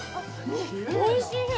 おいしい！